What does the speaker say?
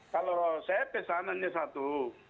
kalau saya pesan hanya satu